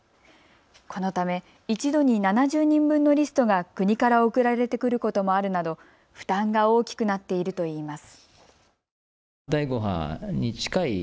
このため、一度に７０人分のリストが国から送られてくることもあるなど負担が大きくなっているといいます。